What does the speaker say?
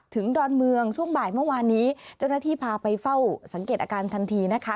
ดอนเมืองช่วงบ่ายเมื่อวานนี้เจ้าหน้าที่พาไปเฝ้าสังเกตอาการทันทีนะคะ